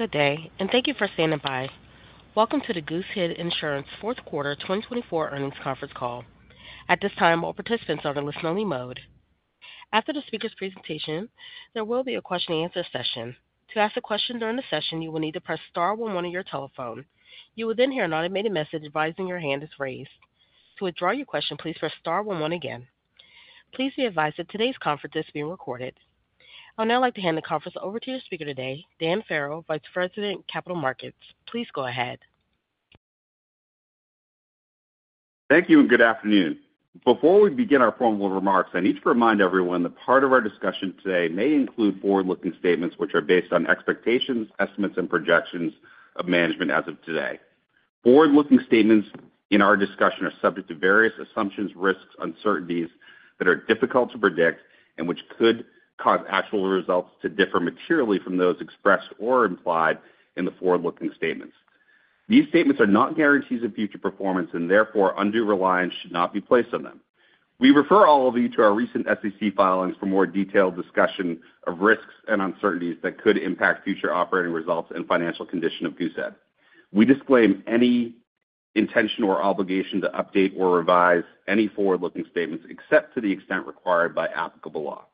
Good day, and thank you for standing by. Welcome to the Goosehead Insurance Fourth Quarter 2024 Earnings Conference Call. At this time, all participants are in a listen-only mode. After the speaker's presentation, there will be a question-and-answer session. To ask a question during the session, you will need to press star one one on your telephone. You will then hear an automated message advising your hand is raised. To withdraw your question, please press star one one again. Please be advised that today's conference is being recorded. I would now like to hand the conference over to your speaker today, Dan Farrell, Vice President, Capital Markets. Please go ahead. Thank you, and good afternoon. Before we begin our formal remarks, I need to remind everyone that part of our discussion today may include forward-looking statements which are based on expectations, estimates, and projections of management as of today. Forward-looking statements in our discussion are subject to various assumptions, risks, uncertainties that are difficult to predict and which could cause actual results to differ materially from those expressed or implied in the forward-looking statements. These statements are not guarantees of future performance and therefore undue reliance should not be placed on them. We refer all of you to our recent SEC filings for more detailed discussion of risks and uncertainties that could impact future operating results and financial condition of Goosehead. We disclaim any intention or obligation to update or revise any forward-looking statements except to the extent required by applicable law.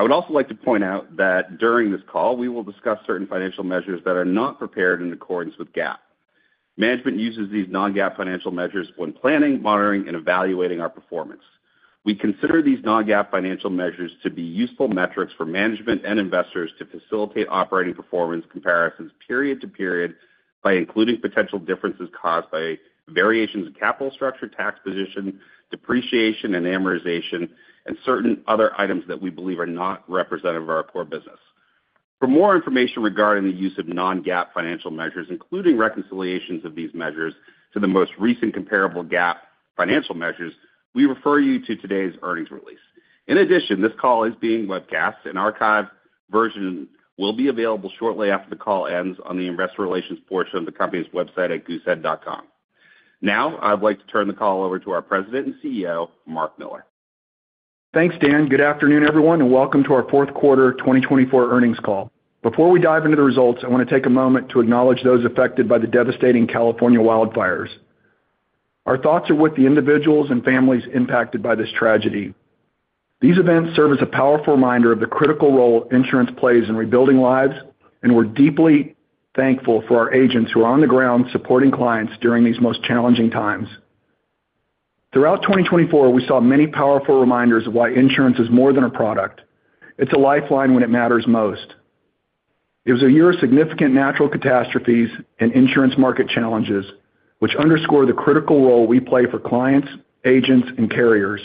I would also like to point out that during this call, we will discuss certain financial measures that are not prepared in accordance with GAAP. Management uses these non-GAAP financial measures when planning, monitoring, and evaluating our performance. We consider these non-GAAP financial measures to be useful metrics for management and investors to facilitate operating performance comparisons period to period by including potential differences caused by variations in capital structure, tax position, depreciation, and amortization, and certain other items that we believe are not representative of our core business. For more information regarding the use of non-GAAP financial measures, including reconciliations of these measures to the most recent comparable GAAP financial measures, we refer you to today's earnings release. In addition, this call is being webcast. An archived version will be available shortly after the call ends on the investor relations portion of the company's website at goosehead.com. Now, I'd like to turn the call over to our President and CEO, Mark Miller. Thanks, Dan. Good afternoon, everyone, and welcome to our Fourth Quarter 2024 Earnings Call. Before we dive into the results, I want to take a moment to acknowledge those affected by the devastating California wildfires. Our thoughts are with the individuals and families impacted by this tragedy. These events serve as a powerful reminder of the critical role insurance plays in rebuilding lives, and we're deeply thankful for our agents who are on the ground supporting clients during these most challenging times. Throughout 2024, we saw many powerful reminders of why insurance is more than a product. It's a lifeline when it matters most. It was a year of significant natural catastrophes and insurance market challenges, which underscored the critical role we play for clients, agents, and carriers.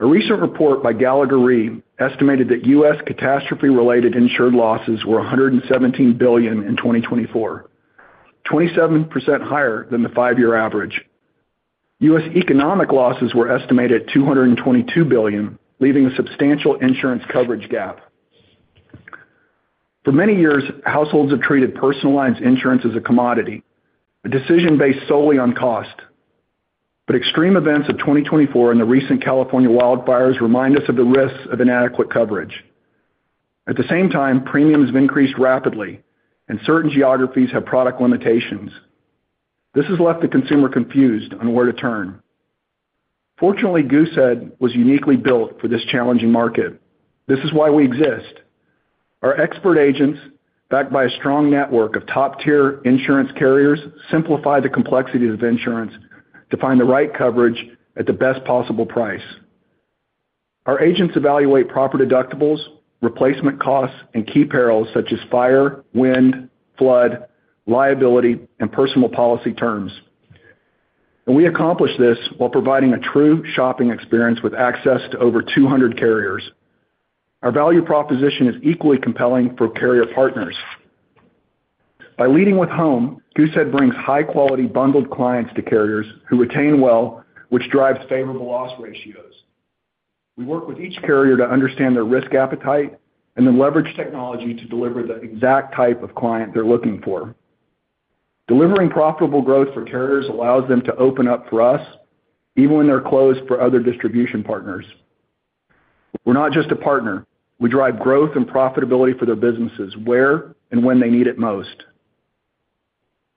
A recent report by Gallagher Re estimated that U.S. catastrophe-related insured losses were $117 billion in 2024, 27% higher than the five-year average. U.S. economic losses were estimated at $222 billion, leaving a substantial insurance coverage gap. For many years, households have treated personal lines insurance as a commodity, a decision based solely on cost. But extreme events of 2024 and the recent California wildfires remind us of the risks of inadequate coverage. At the same time, premiums have increased rapidly, and certain geographies have product limitations. This has left the consumer confused on where to turn. Fortunately, Goosehead was uniquely built for this challenging market. This is why we exist. Our expert agents, backed by a strong network of top-tier insurance carriers, simplify the complexities of insurance to find the right coverage at the best possible price. Our agents evaluate proper deductibles, replacement costs, and key perils such as fire, wind, flood, liability, and personal policy terms. We accomplish this while providing a true shopping experience with access to over 200 carriers. Our value proposition is equally compelling for carrier partners. By leading with home, Goosehead brings high-quality bundled clients to carriers who retain well, which drives favorable loss ratios. We work with each carrier to understand their risk appetite and then leverage technology to deliver the exact type of client they're looking for. Delivering profitable growth for carriers allows them to open up for us, even when they're closed for other distribution partners. We're not just a partner. We drive growth and profitability for their businesses where and when they need it most.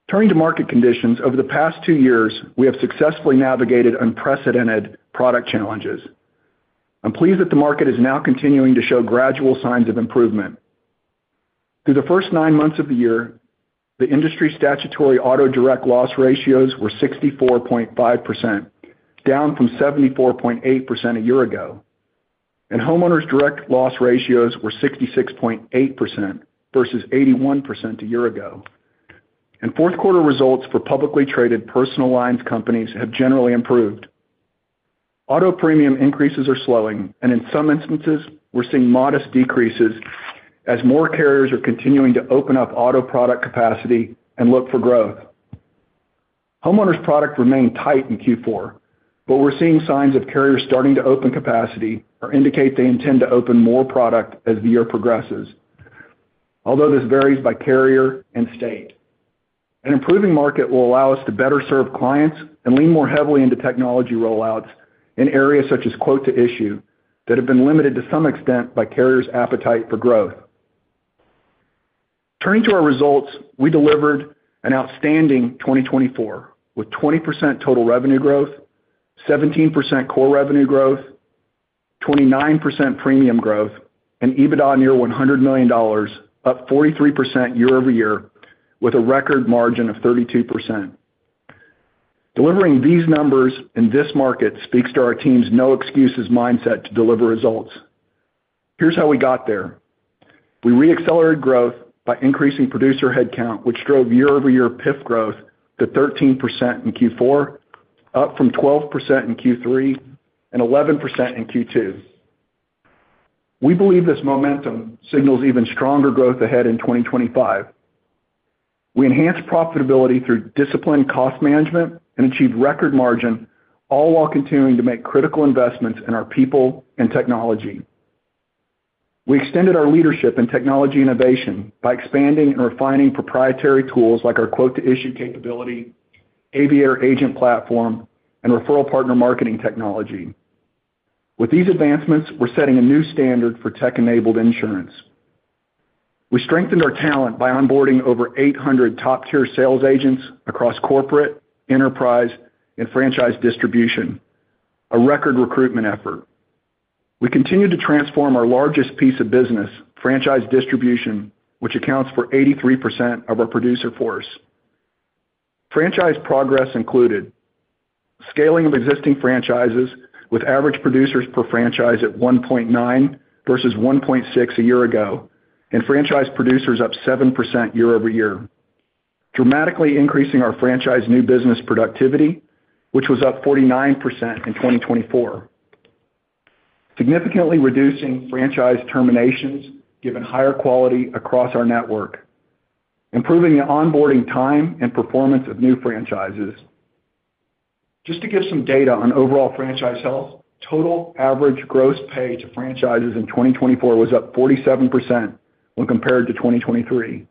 Turning to market conditions, over the past two years, we have successfully navigated unprecedented product challenges. I'm pleased that the market is now continuing to show gradual signs of improvement. Through the first nine months of the year, the industry statutory auto direct loss ratios were 64.5%, down from 74.8% a year ago, and homeowners' direct loss ratios were 66.8% versus 81% a year ago, and fourth quarter results for publicly traded personal lines companies have generally improved. Auto premium increases are slowing, and in some instances, we're seeing modest decreases as more carriers are continuing to open up auto product capacity and look for growth. Homeowners' product remained tight in Q4, but we're seeing signs of carriers starting to open capacity or indicate they intend to open more product as the year progresses, although this varies by carrier and state. An improving market will allow us to better serve clients and lean more heavily into technology rollouts in areas such as Quote to Issue that have been limited to some extent by carriers' appetite for growth. Turning to our results, we delivered an outstanding 2024 with 20% total revenue growth, 17% core revenue growth, 29% premium growth, and EBITDA near $100 million, up 43% year-over-year with a record margin of 32%. Delivering these numbers in this market speaks to our team's no excuses mindset to deliver results. Here's how we got there. We re-accelerated growth by increasing producer headcount, which drove year-over-year PIF growth to 13% in Q4, up from 12% in Q3 and 11% in Q2. We believe this momentum signals even stronger growth ahead in 2025. We enhanced profitability through disciplined cost management and achieved record margin, all while continuing to make critical investments in our people and technology. We extended our leadership in technology innovation by expanding and refining proprietary tools like our Quote to Issue capability, Aviator agent platform, and Referral Partner Marketing technology. With these advancements, we're setting a new standard for tech-enabled insurance. We strengthened our talent by onboarding over 800 top-tier sales agents across corporate, enterprise, and franchise distribution, a record recruitment effort. We continue to transform our largest piece of business, franchise distribution, which accounts for 83% of our producer force. Franchise progress included scaling of existing franchises with average producers per franchise at 1.9 versus 1.6 a year ago, and franchise producers up 7% year over year, dramatically increasing our franchise new business productivity, which was up 49% in 2024, significantly reducing franchise terminations given higher quality across our network, improving the onboarding time and performance of new franchises. Just to give some data on overall franchise health, total average gross pay to franchises in 2024 was up 47% when compared to 2023.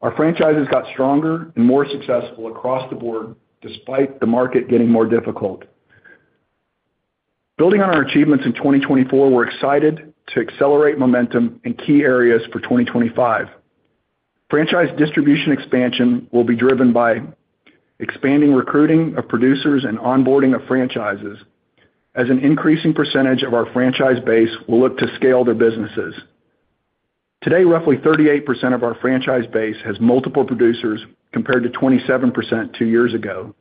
Our franchises got stronger and more successful across the board despite the market getting more difficult. Building on our achievements in 2024, we're excited to accelerate momentum in key areas for 2025. Franchise distribution expansion will be driven by expanding recruiting of producers and onboarding of franchises as an increasing percentage of our franchise base will look to scale their businesses. Today, roughly 38% of our franchise base has multiple producers compared to 27% two years ago.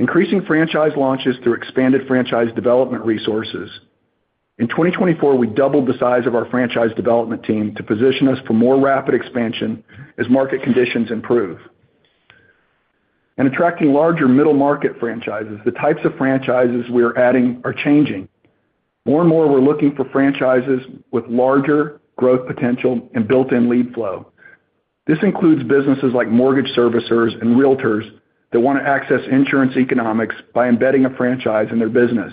Increasing franchise launches through expanded franchise development resources. In 2024, we doubled the size of our franchise development team to position us for more rapid expansion as market conditions improve. And attracting larger middle market franchises, the types of franchises we are adding are changing. More and more, we're looking for franchises with larger growth potential and built-in lead flow. This includes businesses like mortgage servicers and realtors that want to access insurance economics by embedding a franchise in their business.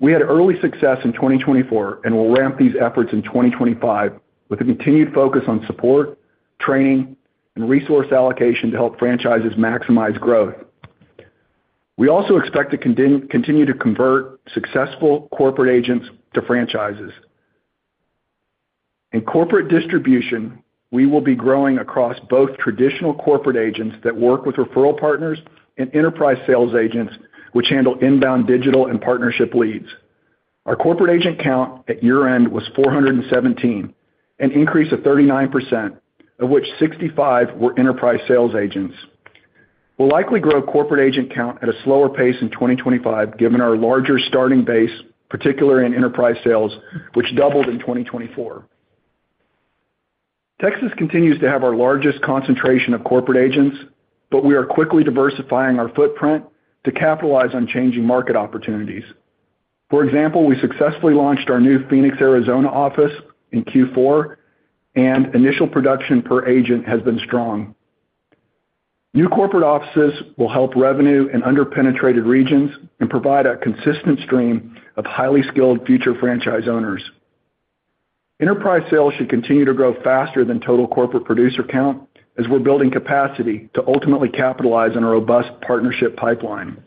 We had early success in 2024 and will ramp these efforts in 2025 with a continued focus on support, training, and resource allocation to help franchises maximize growth. We also expect to continue to convert successful corporate agents to franchises. In corporate distribution, we will be growing across both traditional corporate agents that work with referral partners and enterprise sales agents, which handle inbound digital and partnership leads. Our corporate agent count at year-end was 417, an increase of 39%, of which 65 were enterprise sales agents. We'll likely grow corporate agent count at a slower pace in 2025 given our larger starting base, particularly in enterprise sales, which doubled in 2024. Texas continues to have our largest concentration of corporate agents, but we are quickly diversifying our footprint to capitalize on changing market opportunities. For example, we successfully launched our new Phoenix, Arizona office in Q4, and initial production per agent has been strong. New corporate offices will help revenue in underpenetrated regions and provide a consistent stream of highly skilled future franchise owners. Enterprise sales should continue to grow faster than total corporate producer count as we're building capacity to ultimately capitalize on a robust partnership pipeline.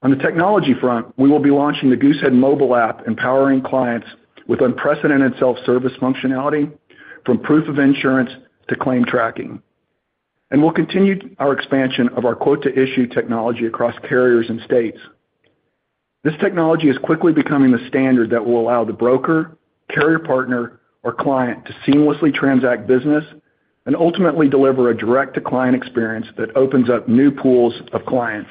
On the technology front, we will be launching the Goosehead Mobile App, empowering clients with unprecedented self-service functionality from proof of insurance to claim tracking, and we'll continue our expansion of our Quote to Issue technology across carriers and states. This technology is quickly becoming the standard that will allow the broker, carrier partner, or client to seamlessly transact business and ultimately deliver a direct-to-client experience that opens up new pools of clients.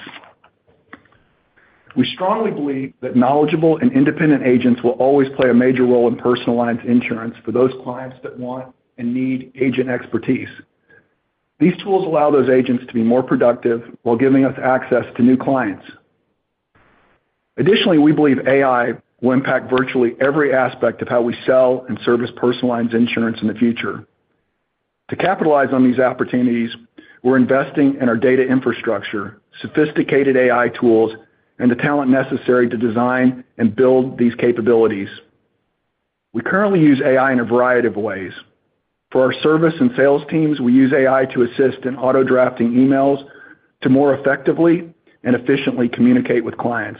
We strongly believe that knowledgeable and independent agents will always play a major role in personal lines insurance for those clients that want and need agent expertise. These tools allow those agents to be more productive while giving us access to new clients. Additionally, we believe AI will impact virtually every aspect of how we sell and service personal lines insurance in the future. To capitalize on these opportunities, we're investing in our data infrastructure, sophisticated AI tools, and the talent necessary to design and build these capabilities. We currently use AI in a variety of ways. For our service and sales teams, we use AI to assist in auto-drafting emails to more effectively and efficiently communicate with clients.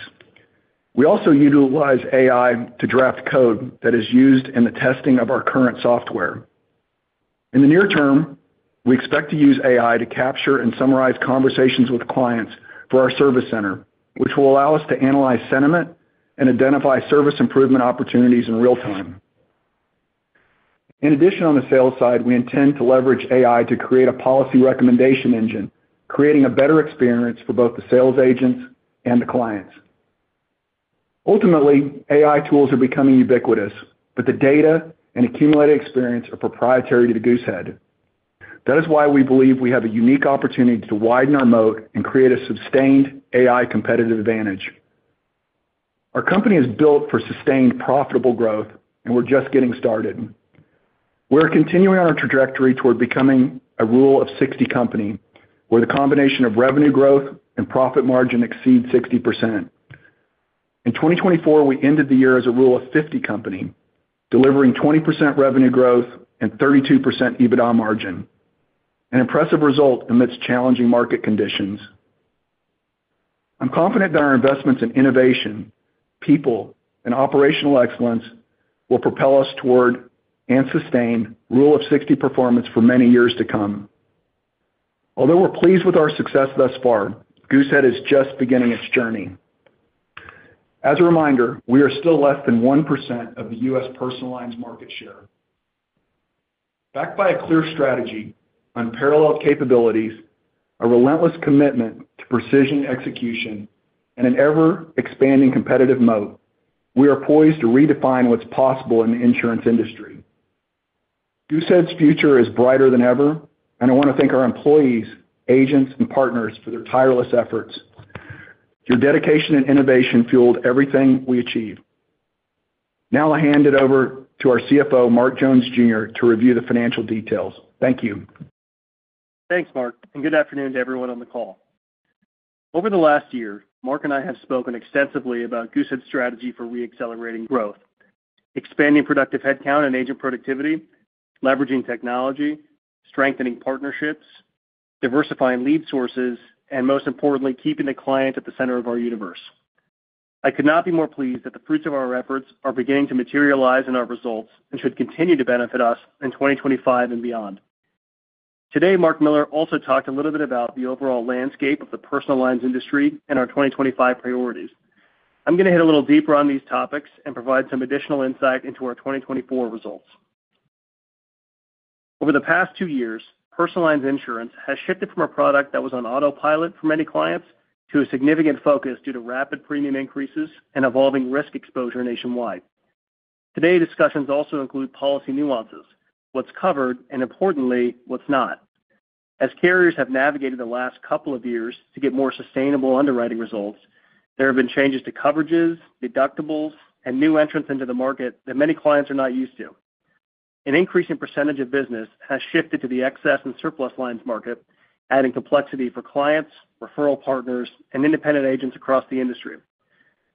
We also utilize AI to draft code that is used in the testing of our current software. In the near term, we expect to use AI to capture and summarize conversations with clients for our service center, which will allow us to analyze sentiment and identify service improvement opportunities in real time. In addition, on the sales side, we intend to leverage AI to create a policy recommendation engine, creating a better experience for both the sales agents and the clients. Ultimately, AI tools are becoming ubiquitous, but the data and accumulated experience are proprietary to Goosehead. That is why we believe we have a unique opportunity to widen our moat and create a sustained AI competitive advantage. Our company is built for sustained profitable growth, and we're just getting started. We're continuing on our trajectory toward becoming a Rule of 60 company, where the combination of revenue growth and profit margin exceeds 60%. In 2024, we ended the year as a Rule of 50 company, delivering 20% revenue growth and 32% EBITDA margin, an impressive result amidst challenging market conditions. I'm confident that our investments in innovation, people, and operational excellence will propel us toward and sustain Rule of 60 performance for many years to come. Although we're pleased with our success thus far, Goosehead is just beginning its journey. As a reminder, we are still less than 1% of the U.S. personal lines market share. Backed by a clear strategy, unparalleled capabilities, a relentless commitment to precision execution, and an ever-expanding competitive moat, we are poised to redefine what's possible in the insurance industry. Goosehead's future is brighter than ever, and I want to thank our employees, agents, and partners for their tireless efforts. Your dedication and innovation fueled everything we achieved. Now I'll hand it over to our CFO, Mark Jones, Jr., to review the financial details. Thank you. Thanks, Mark. And good afternoon to everyone on the call. Over the last year, Mark and I have spoken extensively about Goosehead's strategy for re-accelerating growth, expanding productive headcount and agent productivity, leveraging technology, strengthening partnerships, diversifying lead sources, and most importantly, keeping the client at the center of our universe. I could not be more pleased that the fruits of our efforts are beginning to materialize in our results and should continue to benefit us in 2025 and beyond. Today, Mark Miller also talked a little bit about the overall landscape of the personal lines industry and our 2025 priorities. I'm going to hit a little deeper on these topics and provide some additional insight into our 2024 results. Over the past two years, personal lines insurance has shifted from a product that was on autopilot for many clients to a significant focus due to rapid premium increases and evolving risk exposure nationwide. Today, discussions also include policy nuances, what's covered, and importantly, what's not. As carriers have navigated the last couple of years to get more sustainable underwriting results, there have been changes to coverages, deductibles, and new entrants into the market that many clients are not used to. An increasing percentage of business has shifted to the excess and surplus lines market, adding complexity for clients, referral partners, and independent agents across the industry.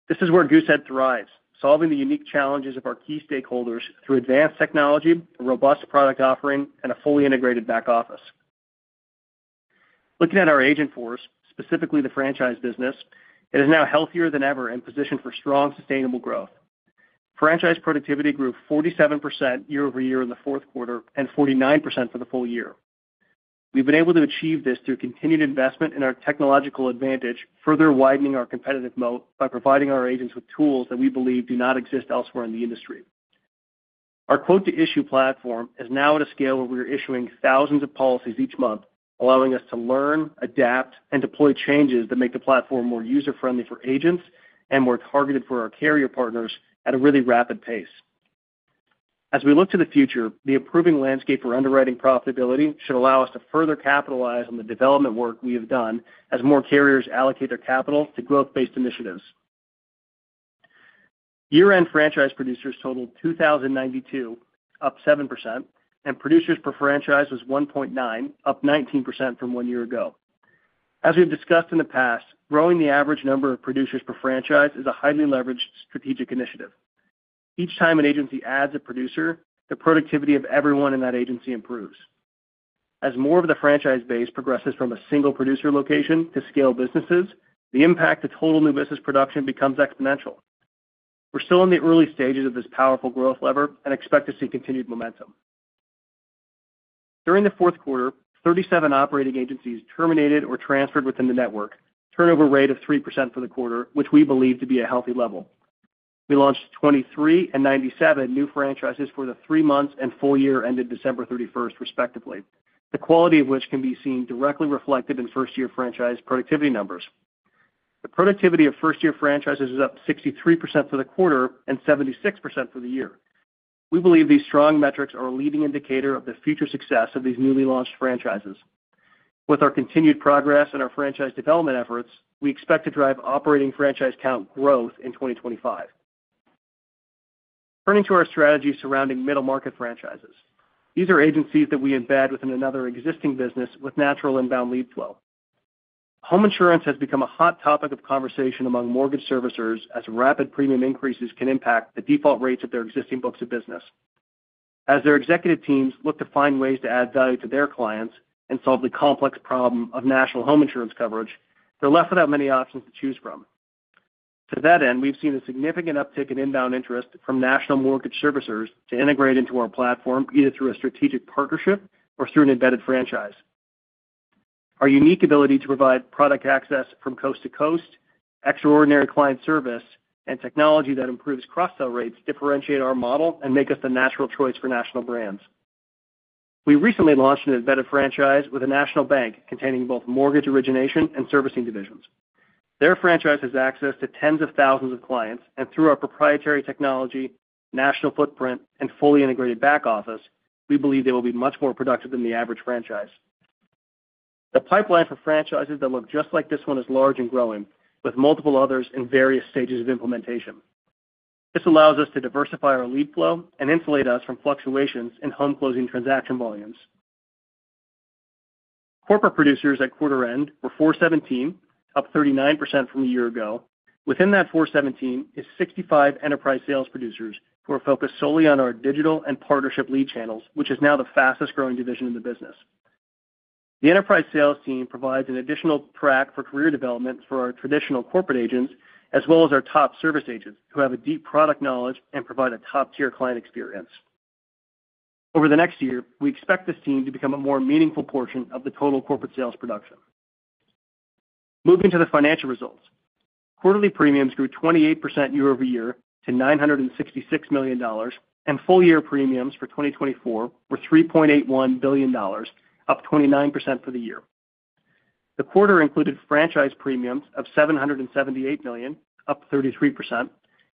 This is where Goosehead thrives, solving the unique challenges of our key stakeholders through advanced technology, a robust product offering, and a fully integrated back office. Looking at our agent force, specifically the franchise business, it is now healthier than ever and positioned for strong, sustainable growth. Franchise productivity grew 47% year over year in the fourth quarter and 49% for the full year. We've been able to achieve this through continued investment in our technological advantage, further widening our competitive moat by providing our agents with tools that we believe do not exist elsewhere in the industry. Our Quote to Issue platform is now at a scale where we are issuing thousands of policies each month, allowing us to learn, adapt, and deploy changes that make the platform more user-friendly for agents and more targeted for our carrier partners at a really rapid pace. As we look to the future, the improving landscape for underwriting profitability should allow us to further capitalize on the development work we have done as more carriers allocate their capital to growth-based initiatives. Year-end franchise producers totaled 2,092, up 7%, and producers per franchise was 1.9, up 19% from one year ago. As we've discussed in the past, growing the average number of producers per franchise is a highly leveraged strategic initiative. Each time an agency adds a producer, the productivity of everyone in that agency improves. As more of the franchise base progresses from a single producer location to scale businesses, the impact to total new business production becomes exponential. We're still in the early stages of this powerful growth lever and expect to see continued momentum. During the fourth quarter, 37 operating agencies terminated or transferred within the network, turnover rate of 3% for the quarter, which we believe to be a healthy level. We launched 23 and 97 new franchises for the three months and full year ended December 31st, respectively, the quality of which can be seen directly reflected in first-year franchise productivity numbers. The productivity of first-year franchises is up 63% for the quarter and 76% for the year. We believe these strong metrics are a leading indicator of the future success of these newly launched franchises. With our continued progress and our franchise development efforts, we expect to drive operating franchise count growth in 2025. Turning to our strategy surrounding middle market franchises, these are agencies that we embed within another existing business with natural inbound lead flow. Home insurance has become a hot topic of conversation among mortgage servicers as rapid premium increases can impact the default rates of their existing books of business. As their executive teams look to find ways to add value to their clients and solve the complex problem of national home insurance coverage, they're left without many options to choose from. To that end, we've seen a significant uptick in inbound interest from national mortgage servicers to integrate into our platform either through a strategic partnership or through an embedded franchise. Our unique ability to provide product access from coast to coast, extraordinary client service, and technology that improves cross-sell rates differentiate our model and make us the natural choice for national brands. We recently launched an embedded franchise with a national bank containing both mortgage origination and servicing divisions. Their franchise has access to tens of thousands of clients, and through our proprietary technology, national footprint, and fully integrated back office, we believe they will be much more productive than the average franchise. The pipeline for franchises that look just like this one is large and growing, with multiple others in various stages of implementation. This allows us to diversify our lead flow and insulate us from fluctuations in home closing transaction volumes. Corporate producers at quarter-end were 417, up 39% from a year ago. Within that 417 is 65 enterprise sales producers who are focused solely on our digital and partnership lead channels, which is now the fastest-growing division in the business. The enterprise sales team provides an additional track for career development for our traditional corporate agents, as well as our top service agents who have a deep product knowledge and provide a top-tier client experience. Over the next year, we expect this team to become a more meaningful portion of the total corporate sales production. Moving to the financial results, quarterly premiums grew 28% year-over-year to $966 million, and full-year premiums for 2024 were $3.81 billion, up 29% for the year. The quarter included franchise premiums of $778 million, up 33%,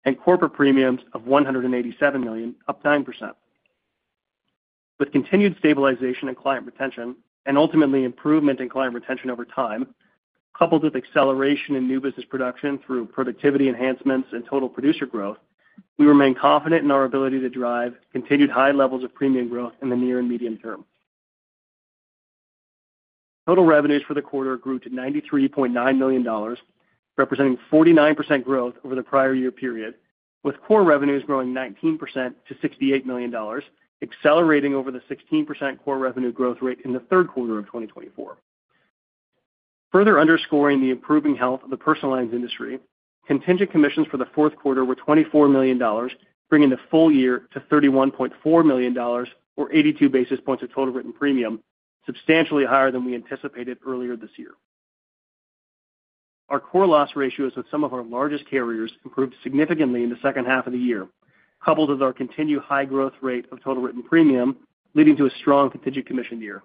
and corporate premiums of $187 million, up 9%. With continued stabilization and client retention, and ultimately improvement in client retention over time, coupled with acceleration in new business production through productivity enhancements and total producer growth, we remain confident in our ability to drive continued high levels of premium growth in the near and medium term. Total revenues for the quarter grew to $93.9 million, representing 49% growth over the prior year period, with core revenues growing 19% to $68 million, accelerating over the 16% core revenue growth rate in the third quarter of 2024. Further underscoring the improving health of the personal lines industry, contingent commissions for the fourth quarter were $24 million, bringing the full year to $31.4 million, or 82 basis points of total written premium, substantially higher than we anticipated earlier this year. Our core loss ratios with some of our largest carriers improved significantly in the second half of the year, coupled with our continued high growth rate of total written premium, leading to a strong contingent commission year.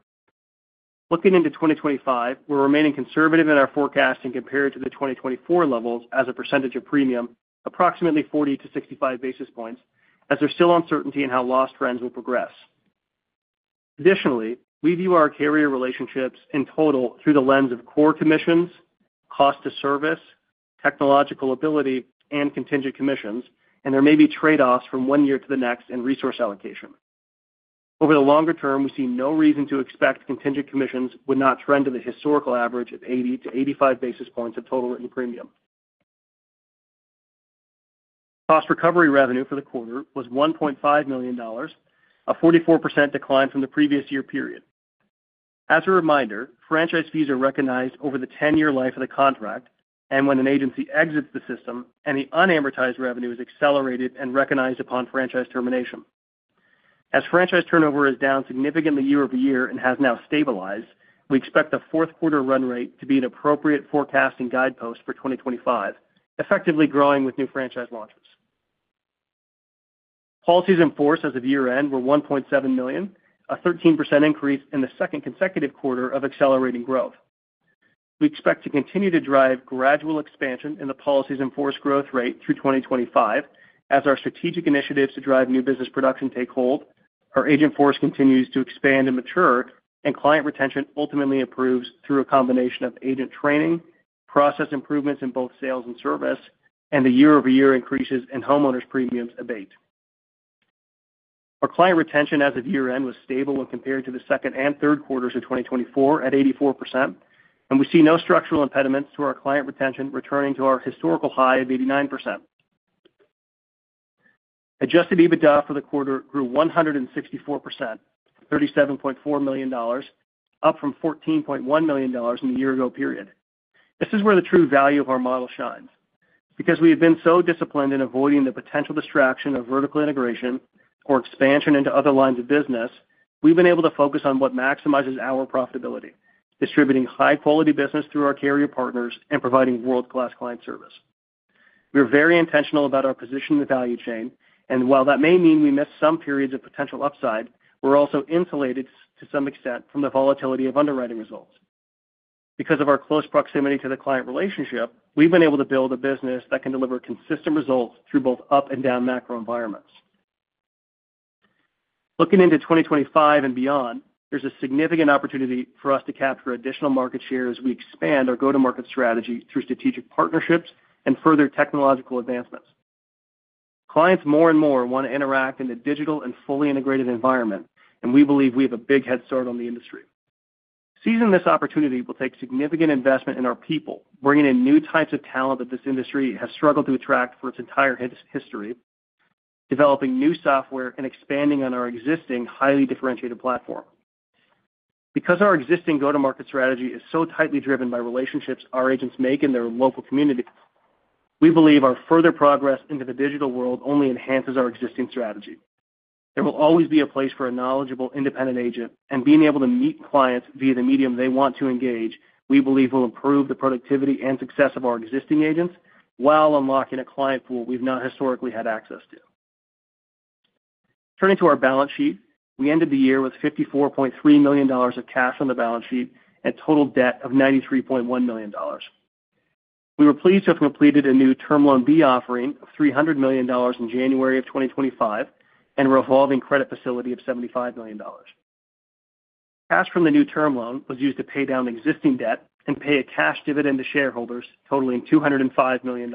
Looking into 2025, we're remaining conservative in our forecasting compared to the 2024 levels as a percentage of premium, approximately 40 to 65 basis points, as there's still uncertainty in how loss trends will progress. Additionally, we view our carrier relationships in total through the lens of core commissions, cost to service, technological ability, and contingent commissions, and there may be trade-offs from one year to the next in resource allocation. Over the longer term, we see no reason to expect contingent commissions would not trend to the historical average of 80 to 85 basis points of total written premium. Cost recovery revenue for the quarter was $1.5 million, a 44% decline from the previous year period. As a reminder, franchise fees are recognized over the 10-year life of the contract, and when an agency exits the system, any unamortized revenue is accelerated and recognized upon franchise termination. As franchise turnover is down significantly year-over-year and has now stabilized, we expect the fourth quarter run rate to be an appropriate forecasting guidepost for 2025, effectively growing with new franchise launches. Policies in force as of year-end were 1.7 million, a 13% increase in the second consecutive quarter of accelerating growth. We expect to continue to drive gradual expansion in the policies in force growth rate through 2025, as our strategic initiatives to drive new business production take hold. Our agent force continues to expand and mature, and client retention ultimately improves through a combination of agent training, process improvements in both sales and service, and the year-over-year increases in homeowners premiums abate. Our client retention as of year-end was stable when compared to the second and third quarters of 2024 at 84%, and we see no structural impediments to our client retention returning to our historical high of 89%. Adjusted EBITDA for the quarter grew 164%, $37.4 million, up from $14.1 million in the year-ago period. This is where the true value of our model shines. Because we have been so disciplined in avoiding the potential distraction of vertical integration or expansion into other lines of business, we've been able to focus on what maximizes our profitability, distributing high-quality business through our carrier partners and providing world-class client service. We are very intentional about our position in the value chain, and while that may mean we miss some periods of potential upside, we're also insulated to some extent from the volatility of underwriting results. Because of our close proximity to the client relationship, we've been able to build a business that can deliver consistent results through both up and down macro environments. Looking into 2025 and beyond, there's a significant opportunity for us to capture additional market share as we expand our go-to-market strategy through strategic partnerships and further technological advancements. Clients more and more want to interact in the digital and fully integrated environment, and we believe we have a big head start on the industry. Seizing this opportunity will take significant investment in our people, bringing in new types of talent that this industry has struggled to attract for its entire history, developing new software, and expanding on our existing highly differentiated platform. Because our existing go-to-market strategy is so tightly driven by relationships our agents make in their local community, we believe our further progress into the digital world only enhances our existing strategy. There will always be a place for a knowledgeable independent agent, and being able to meet clients via the medium they want to engage, we believe will improve the productivity and success of our existing agents while unlocking a client pool we've not historically had access to. Turning to our balance sheet, we ended the year with $54.3 million of cash on the balance sheet and total debt of $93.1 million. We were pleased to have completed a new Term Loan B offering of $300 million in January of 2025 and a revolving credit facility of $75 million. Cash from the new term loan was used to pay down existing debt and pay a cash dividend to shareholders totaling $205 million.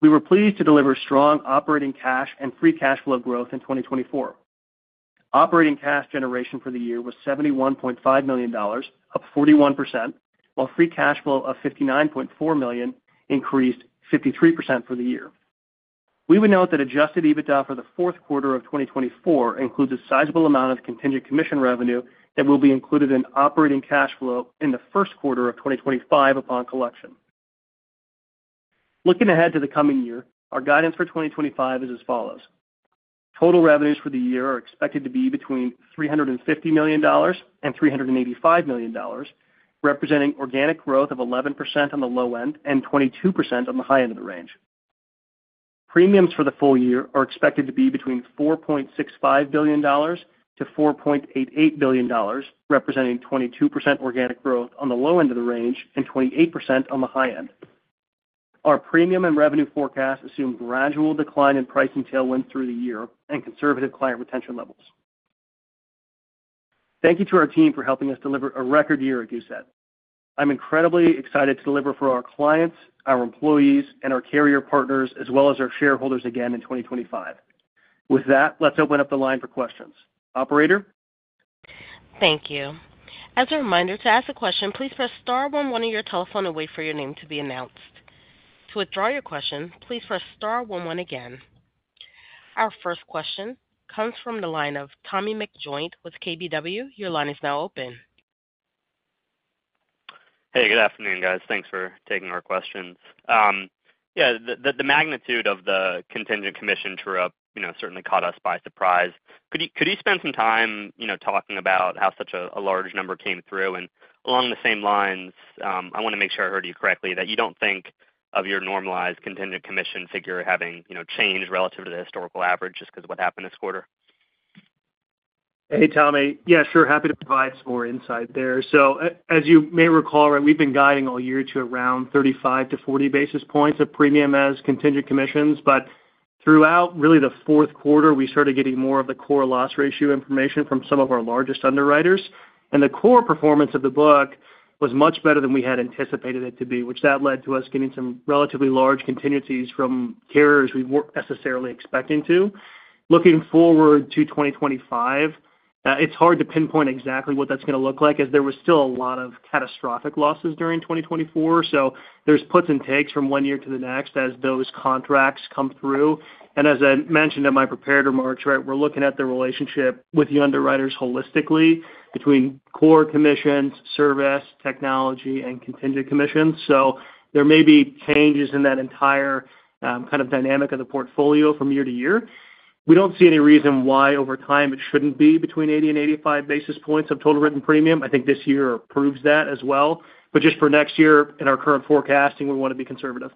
We were pleased to deliver strong operating cash and free cash flow growth in 2024. Operating cash generation for the year was $71.5 million, up 41%, while free cash flow of $59.4 million increased 53% for the year. We would note that Adjusted EBITDA for the fourth quarter of 2024 includes a sizable amount of contingent commission revenue that will be included in operating cash flow in the first quarter of 2025 upon collection. Looking ahead to the coming year, our guidance for 2025 is as follows. Total revenues for the year are expected to be between $350 million and $385 million, representing organic growth of 11% on the low end and 22% on the high end of the range. Premiums for the full year are expected to be between $4.65 billion to $4.88 billion, representing 22% organic growth on the low end of the range and 28% on the high end. Our premium and revenue forecasts assume gradual decline in pricing tailwinds through the year and conservative client retention levels. Thank you to our team for helping us deliver a record year at Goosehead. I'm incredibly excited to deliver for our clients, our employees, and our carrier partners, as well as our shareholders again in 2025. With that, let's open up the line for questions. Operator? Thank you. As a reminder, to ask a question, please press star one one on your telephone and wait for your name to be announced. To withdraw your question, please press star one one again. Our first question comes from the line of Tommy McJoynt with KBW. Your line is now open. Hey, good afternoon, guys. Thanks for taking our questions. Yeah, the magnitude of the contingent commission true-up certainly caught us by surprise. Could you spend some time talking about how such a large number came through? And along the same lines, I want to make sure I heard you correctly, that you don't think of your normalized contingent commission figure having changed relative to the historical average just because of what happened this quarter? Hey, Tommy. Yeah, sure. Happy to provide some more insight there. So as you may recall, we've been guiding all year to around 35-40 basis points of premium as contingent commissions. But throughout really the fourth quarter, we started getting more of the core loss ratio information from some of our largest underwriters. And the core performance of the book was much better than we had anticipated it to be, which led to us getting some relatively large contingencies from carriers we weren't necessarily expecting to. Looking forward to 2025, it's hard to pinpoint exactly what that's going to look like as there were still a lot of catastrophic losses during 2024. So there's puts and takes from one year to the next as those contracts come through. And as I mentioned in my prepared remarks, we're looking at the relationship with the underwriters holistically between core commissions, service, technology, and contingent commissions. So there may be changes in that entire kind of dynamic of the portfolio from year to year. We don't see any reason why over time it shouldn't be between 80 and 85 basis points of total written premium. I think this year proves that as well. But just for next year in our current forecasting, we want to be conservative.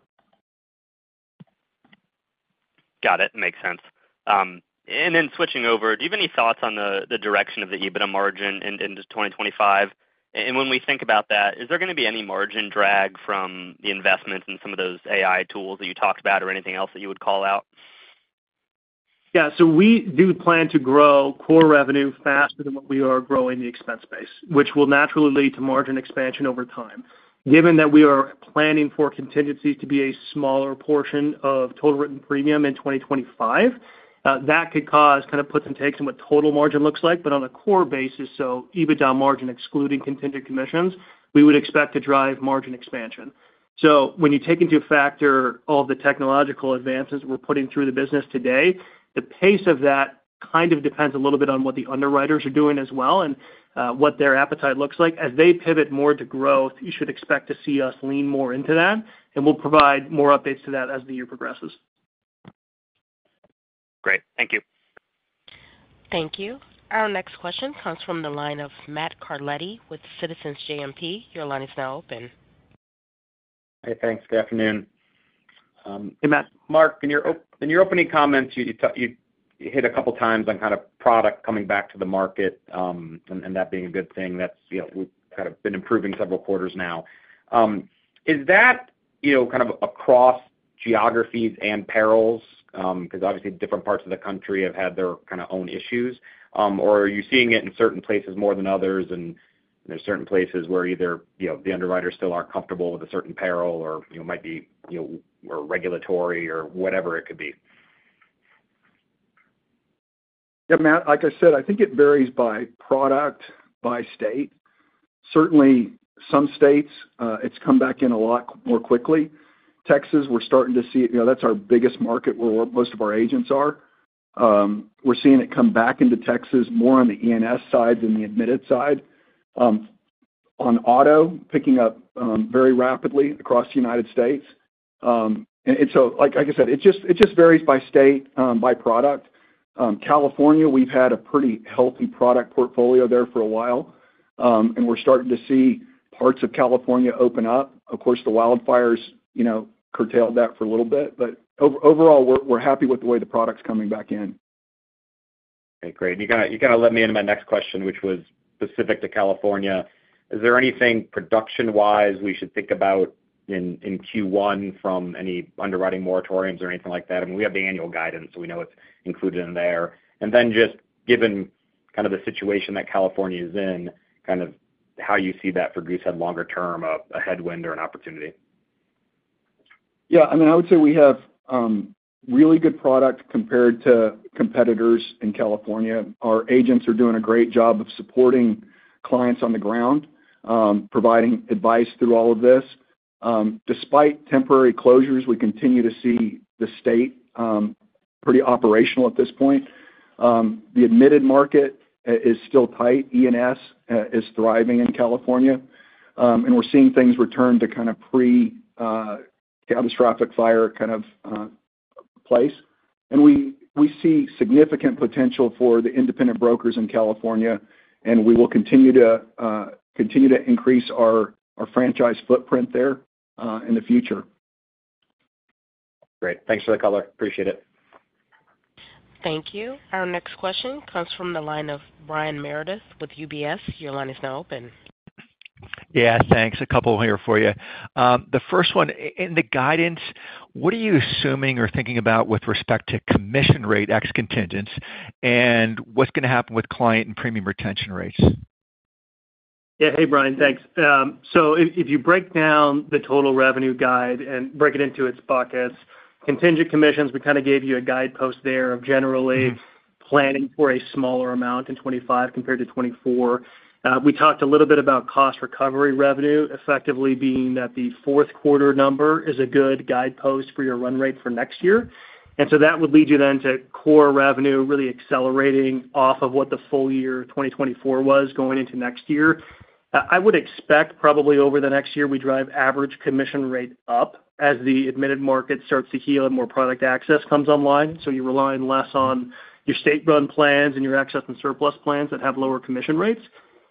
Got it. Makes sense. And then switching over, do you have any thoughts on the direction of the EBITDA margin in 2025? When we think about that, is there going to be any margin drag from the investments in some of those AI tools that you talked about or anything else that you would call out? Yeah. We do plan to grow core revenue faster than what we are growing the expense base, which will naturally lead to margin expansion over time. Given that we are planning for contingent commissions to be a smaller portion of total written premium in 2025, that could cause kind of puts and takes on what total margin looks like. But on a core basis, so EBITDA margin excluding contingent commissions, we would expect to drive margin expansion. So when you take into factor all of the technological advances we're putting through the business today, the pace of that kind of depends a little bit on what the underwriters are doing as well and what their appetite looks like. As they pivot more to growth, you should expect to see us lean more into that. And we'll provide more updates to that as the year progresses. Great. Thank you. Thank you. Our next question comes from the line of Matt Carletti with Citizens JMP. Your line is now open. Hey, thanks. Good afternoon. Hey, Matt. Mark, in your opening comments, you hit a couple of times on kind of product coming back to the market and that being a good thing. That's kind of been improving several quarters now. Is that kind of across geographies and perils? Because obviously, different parts of the country have had their own kind of issues. Or are you seeing it in certain places more than others? And there's certain places where either the underwriters still aren't comfortable with a certain peril or might be regulatory or whatever it could be? Yeah, Matt. Like I said, I think it varies by product, by state. Certainly, some states, it's come back in a lot more quickly. Texas, we're starting to see it. That's our biggest market where most of our agents are. We're seeing it come back into Texas more on the E&S side than the admitted side. On auto, picking up very rapidly across the United States. And so like I said, it just varies by state, by product. California, we've had a pretty healthy product portfolio there for a while. And we're starting to see parts of California open up. Of course, the wildfires curtailed that for a little bit. But overall, we're happy with the way the product's coming back in. Okay. Great. And you kind of led me into my next question, which was specific to California. Is there anything production-wise we should think about in Q1 from any underwriting moratoriums or anything like that? I mean, we have the annual guidance, so we know it's included in there. And then just given kind of the situation that California is in, kind of how you see that for Goosehead longer term, of a headwind or an opportunity? Yeah. I mean, I would say we have really good product compared to competitors in California. Our agents are doing a great job of supporting clients on the ground, providing advice through all of this. Despite temporary closures, we continue to see the state pretty operational at this point. The admitted market is still tight. E&S is thriving in California. And we're seeing things return to kind of pre-catastrophic fire kind of place. And we see significant potential for the independent brokers in California. And we will continue to increase our franchise footprint there in the future. Great. Thanks for the color. Appreciate it. Thank you. Our next question comes from the line of Brian Meredith with UBS. Your line is now open. Yeah. Thanks. A couple here for you. The first one, in the guidance, what are you assuming or thinking about with respect to commission rate ex contingents and what's going to happen with client and premium retention rates? Yeah. Hey, Brian. Thanks. So if you break down the total revenue guide and break it into its buckets, contingent commissions, we kind of gave you a guidepost there of generally planning for a smaller amount in 2025 compared to 2024. We talked a little bit about cost recovery revenue, effectively being that the fourth quarter number is a good guidepost for your run rate for next year. And so that would lead you then to core revenue really accelerating off of what the full year 2024 was going into next year. I would expect probably over the next year we drive average commission rate up as the admitted market starts to heal and more product access comes online. So you rely less on your state-run plans and your excess and surplus plans that have lower commission rates.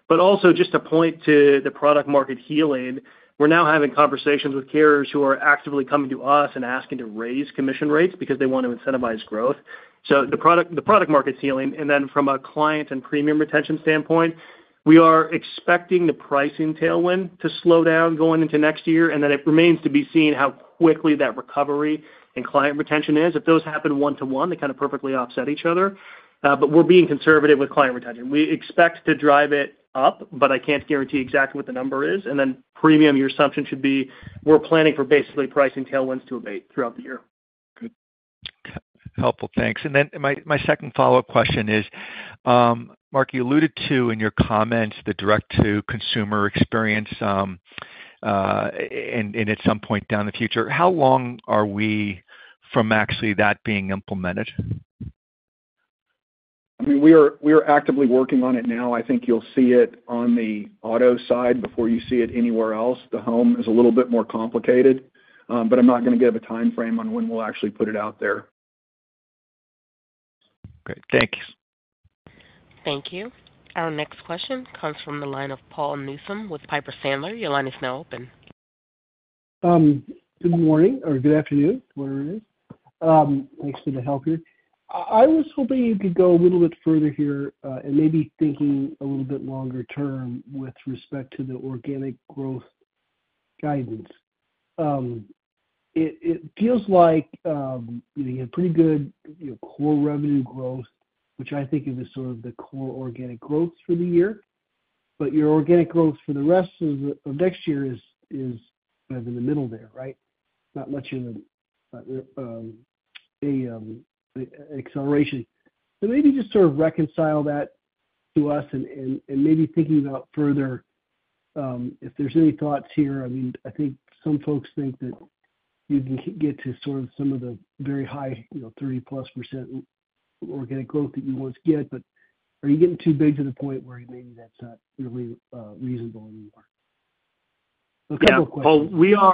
But also, just to point to the product market healing, we're now having conversations with carriers who are actively coming to us and asking to raise commission rates because they want to incentivize growth. So the product market's healing. And then, from a client and premium retention standpoint, we are expecting the pricing tailwind to slow down going into next year. And then it remains to be seen how quickly that recovery and client retention is. If those happen one-to-one, they kind of perfectly offset each other. But we're being conservative with client retention. We expect to drive it up, but I can't guarantee exactly what the number is. And then premium, your assumption should be we're planning for basically pricing tailwinds to abate throughout the year. Good. Helpful. Thanks. Then my second follow-up question is, Mark, you alluded to in your comments the direct-to-consumer experience and at some point down the future. How long are we from actually that being implemented? I mean, we are actively working on it now. I think you'll see it on the auto side before you see it anywhere else. The home is a little bit more complicated. But I'm not going to give a timeframe on when we'll actually put it out there. Great. Thanks. Thank you. Our next question comes from the line of Paul Newsome with Piper Sandler. Your line is now open. Good morning or good afternoon. Whatever it is. Thanks for the help here. I was hoping you could go a little bit further here and maybe thinking a little bit longer term with respect to the organic growth guidance. It feels like you have pretty good core revenue growth, which I think is sort of the core organic growth for the year. But your organic growth for the rest of next year is kind of in the middle there, right? Not much of an acceleration. So maybe just sort of reconcile that to us and maybe thinking about further if there's any thoughts here. I mean, I think some folks think that you can get to sort of some of the very high 30+% organic growth that you once get. But are you getting too big to the point where maybe that's not really reasonable anymore? A couple of questions. Yeah.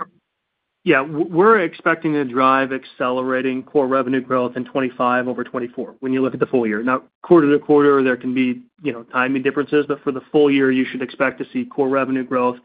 Yeah. We're expecting to drive accelerating core revenue growth in 2025 over 2024 when you look at the full year. Now, quarter to quarter, there can be timing differences. But for the full year, you should expect to see core revenue growth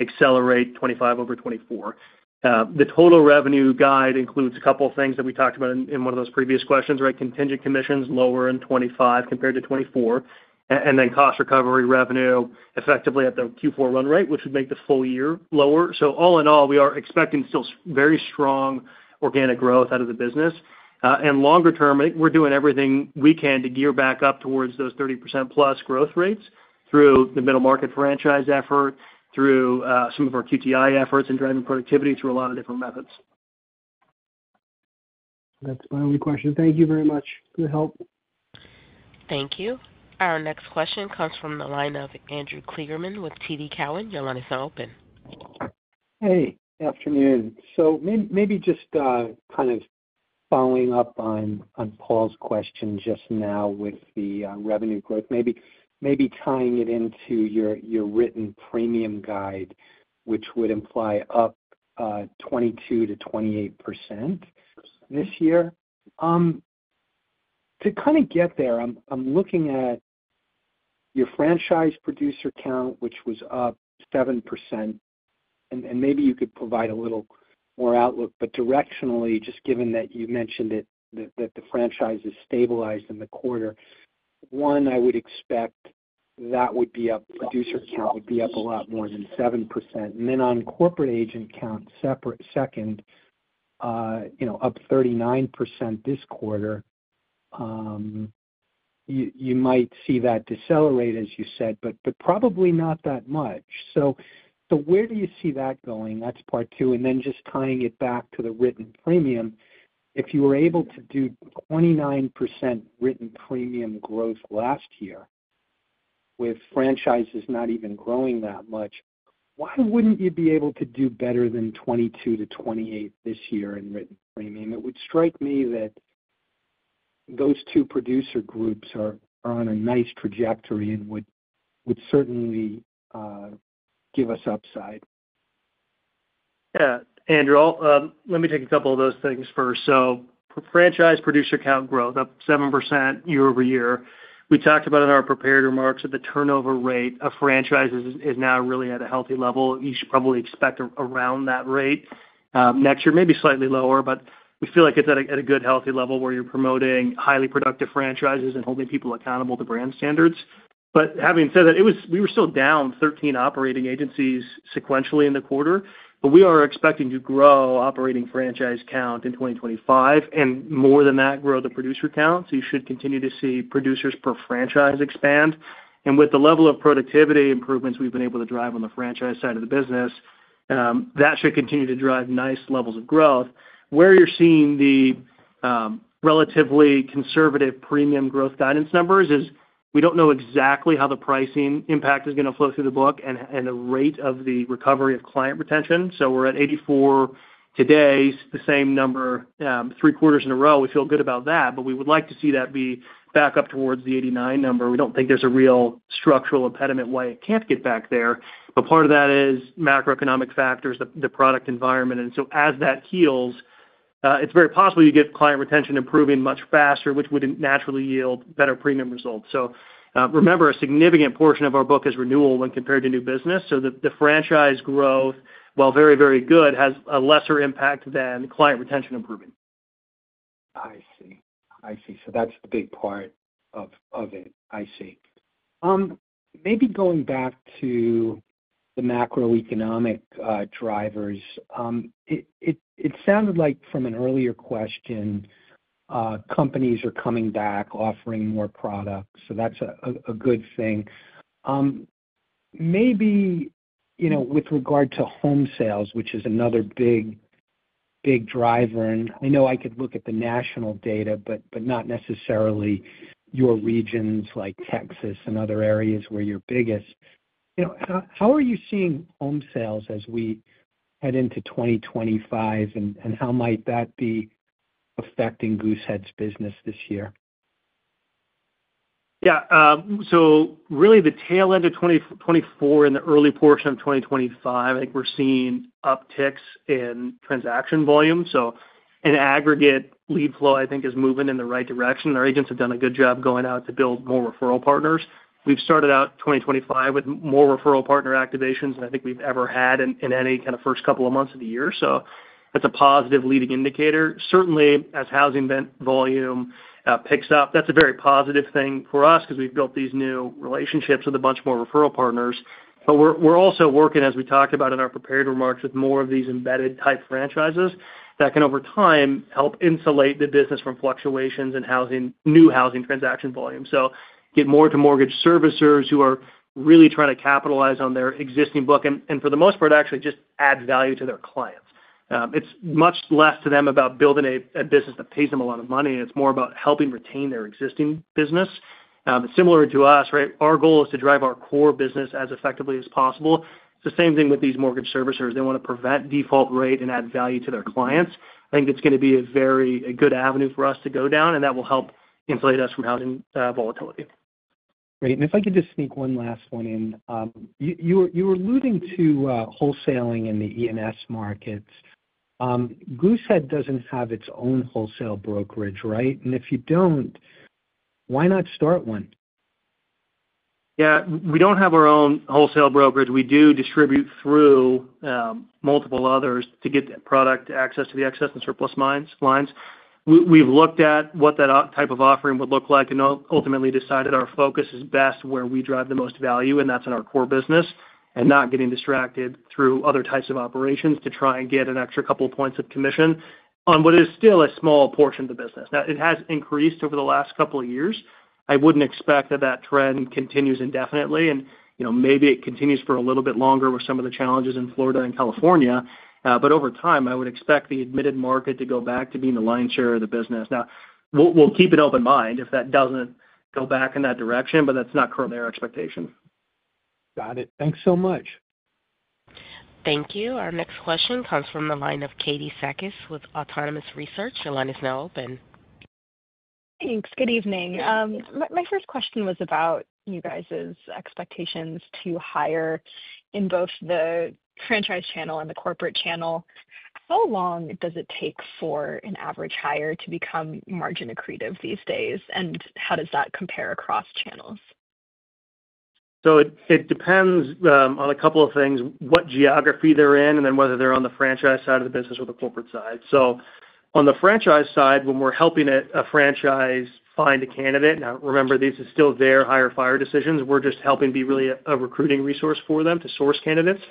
accelerate 2025 over 2024. The total revenue guide includes a couple of things that we talked about in one of those previous questions, right? Contingent commissions lower in 2025 compared to 2024. And then cost recovery revenue effectively at the Q4 run rate, which would make the full year lower. So all in all, we are expecting still very strong organic growth out of the business. And longer term, I think we're doing everything we can to gear back up towards those 30%-plus growth rates through the middle market franchise effort, through some of our QTI efforts and driving productivity through a lot of different methods. That's my only question. Thank you very much for the help. Thank you. Our next question comes from the line of Andrew Kligerman with TD Cowen. Your line is now open. Hey. Good afternoon. So maybe just kind of following up on Paul's question just now with the revenue growth, maybe tying it into your written premium guide, which would imply up 22%-28% this year. To kind of get there, I'm looking at your franchise producer count, which was up 7%. And maybe you could provide a little more outlook. But directionally, just given that you mentioned that the franchise has stabilized in the quarter, one, I would expect that producer count would be up a lot more than 7%. And then on corporate agent count second, up 39% this quarter, you might see that decelerate, as you said, but probably not that much. So where do you see that going? That's part two. And then just tying it back to the written premium, if you were able to do 29% written premium growth last year with franchises not even growing that much, why wouldn't you be able to do better than 22%-28% this year in written premium? It would strike me that those two producer groups are on a nice trajectory and would certainly give us upside. Yeah. Andrew, let me take a couple of those things first. So franchise producer count growth up 7% year over year. We talked about in our prepared remarks that the turnover rate of franchises is now really at a healthy level. You should probably expect around that rate next year, maybe slightly lower. But we feel like it's at a good healthy level where you're promoting highly productive franchises and holding people accountable to brand standards. But having said that, we were still down 13 operating franchises sequentially in the quarter. But we are expecting to grow operating franchise count in 2025 and more than that grow the producer count. So you should continue to see producers per franchise expand. And with the level of productivity improvements we've been able to drive on the franchise side of the business, that should continue to drive nice levels of growth. Where you're seeing the relatively conservative premium growth guidance numbers is we don't know exactly how the pricing impact is going to flow through the book and the rate of the recovery of client retention. So we're at 84 today, the same number three quarters in a row. We feel good about that. But we would like to see that be back up towards the 89 number. We don't think there's a real structural impediment why it can't get back there, but part of that is macroeconomic factors, the product environment, and so as that heals, it's very possible you get client retention improving much faster, which would naturally yield better premium results, so remember, a significant portion of our book is renewal when compared to new business, so the franchise growth, while very, very good, has a lesser impact than client retention improving. I see. I see, so that's the big part of it. I see. Maybe going back to the macroeconomic drivers, it sounded like from an earlier question, companies are coming back offering more products, so that's a good thing. Maybe with regard to home sales, which is another big driver, and I know I could look at the national data, but not necessarily your regions like Texas and other areas where you're biggest. How are you seeing home sales as we head into 2025, and how might that be affecting Goosehead's business this year? Yeah. So really the tail end of 2024 and the early portion of 2025, I think we're seeing upticks in transaction volume. So in aggregate, lead flow, I think, is moving in the right direction. Our agents have done a good job going out to build more referral partners. We've started out 2025 with more referral partner activations than I think we've ever had in any kind of first couple of months of the year. So that's a positive leading indicator. Certainly, as housing volume picks up, that's a very positive thing for us because we've built these new relationships with a bunch more referral partners. But we're also working, as we talked about in our prepared remarks, with more of these embedded-type franchises that can, over time, help insulate the business from fluctuations in new housing transaction volume. So get more to mortgage servicers who are really trying to capitalize on their existing book and, for the most part, actually just add value to their clients. It's much less to them about building a business that pays them a lot of money. It's more about helping retain their existing business. Similar to us, right? Our goal is to drive our core business as effectively as possible. It's the same thing with these mortgage servicers. They want to prevent default rate and add value to their clients. I think it's going to be a very good avenue for us to go down, and that will help insulate us from housing volatility. Great. And if I could just sneak one last one in, you were alluding to wholesaling in the E&S markets. Goosehead doesn't have its own wholesale brokerage, right? And if you don't, why not start one? Yeah. We don't have our own wholesale brokerage. We do distribute through multiple others to get product access to the excess and surplus lines. We've looked at what that type of offering would look like and ultimately decided our focus is best where we drive the most value, and that's in our core business and not getting distracted through other types of operations to try and get an extra couple of points of commission on what is still a small portion of the business. Now, it has increased over the last couple of years. I wouldn't expect that that trend continues indefinitely. And maybe it continues for a little bit longer with some of the challenges in Florida and California. But over time, I would expect the admitted market to go back to being the lion's share of the business. Now, we'll keep an open mind if that doesn't go back in that direction, but that's not currently our expectation. Got it. Thanks so much. Thank you. Our next question comes from the line of Katie Sakys with Autonomous Research. Your line is now open. Thanks. Good evening. My first question was about you guys' expectations to hire in both the franchise channel and the corporate channel. How long does it take for an average hire to become margin accretive these days, and how does that compare across channels? So it depends on a couple of things: what geography they're in, and then whether they're on the franchise side of the business or the corporate side. So on the franchise side, when we're helping a franchise find a candidate, now remember, this is still their hire-fire decisions, we're just helping be really a recruiting resource for them to source candidates.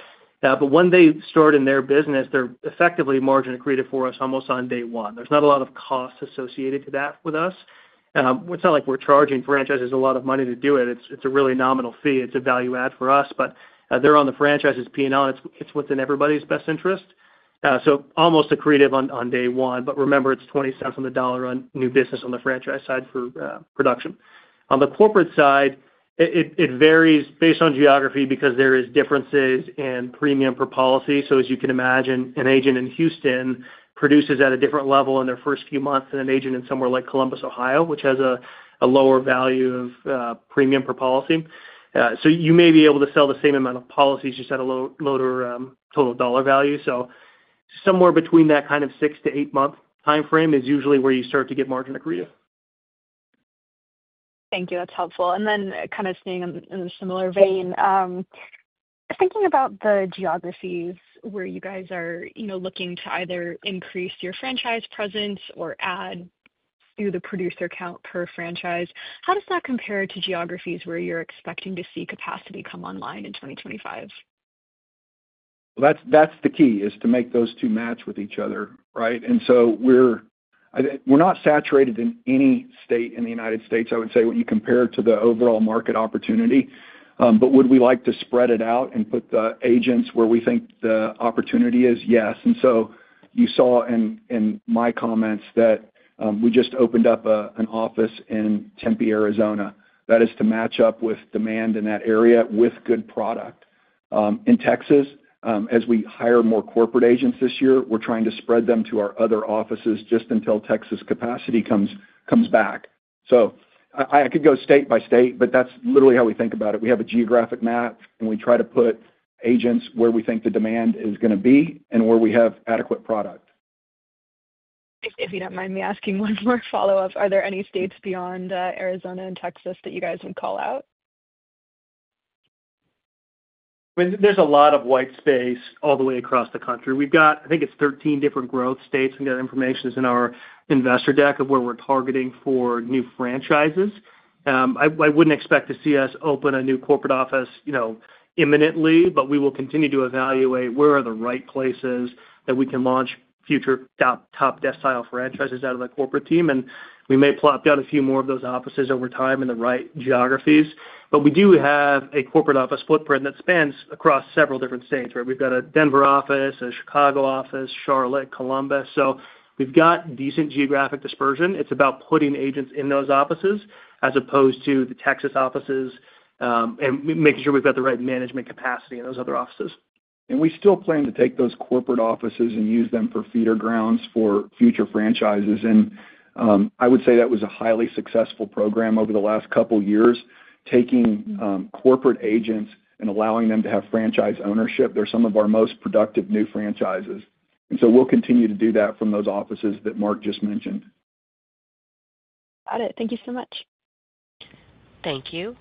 But when they start in their business, they're effectively margin accretive for us almost on day one. There's not a lot of cost associated with that with us. It's not like we're charging franchises a lot of money to do it. It's a really nominal fee. It's a value add for us. But they're on the franchise's P&L, and it's within everybody's best interest. So almost accretive on day one. But remember, it's 20 cents on the dollar on new business on the franchise side for production. On the corporate side, it varies based on geography because there are differences in premium per policy. So as you can imagine, an agent in Houston produces at a different level in their first few months than an agent in somewhere like Columbus, Ohio, which has a lower value of premium per policy. So you may be able to sell the same amount of policies just at a lower total dollar value. So somewhere between that kind of six- to eight-month timeframe is usually where you start to get margin accretive. Thank you. That's helpful. And then kind of staying in a similar vein, thinking about the geographies where you guys are looking to either increase your franchise presence or add to the producer count per franchise, how does that compare to geographies where you're expecting to see capacity come online in 2025? That's the key, is to make those two match with each other, right? And so we're not saturated in any state in the United States, I would say, when you compare it to the overall market opportunity. But would we like to spread it out and put the agents where we think the opportunity is? Yes. And so you saw in my comments that we just opened up an office in Tempe, Arizona. That is to match up with demand in that area with good product. In Texas, as we hire more corporate agents this year, we're trying to spread them to our other offices just until Texas capacity comes back. So I could go state by state, but that's literally how we think about it. We have a geographic map, and we try to put agents where we think the demand is going to be and where we have adequate product. If you don't mind me asking one more follow-up, are there any states beyond Arizona and Texas that you guys would call out? There's a lot of white space all the way across the country. We've got, I think it's 13 different growth states. And that information is in our investor deck of where we're targeting for new franchises. I wouldn't expect to see us open a new corporate office imminently, but we will continue to evaluate where are the right places that we can launch future top-decile franchises out of the corporate team. And we may plop down a few more of those offices over time in the right geographies. But we do have a corporate office footprint that spans across several different states, right? We've got a Denver office, a Chicago office, Charlotte, Columbus. So we've got decent geographic dispersion. It's about putting agents in those offices as opposed to the Texas offices and making sure we've got the right management capacity in those other offices. And we still plan to take those corporate offices and use them for feeder grounds for future franchises. And I would say that was a highly successful program over the last couple of years, taking corporate agents and allowing them to have franchise ownership. They're some of our most productive new franchises. And so we'll continue to do that from those offices that Mark just mentioned. Got it. Thank you so much. Thank you.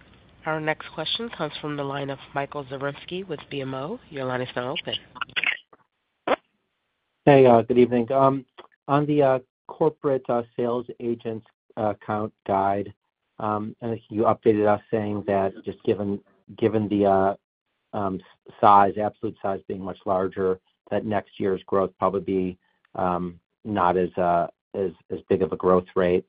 Our next question comes from the line of Michael Zaremski with BMO. Your line is now open. Hey, good evening. On the corporate sales agents count guide, I think you updated us saying that just given the size, absolute size being much larger, that next year's growth probably be not as big of a growth rate.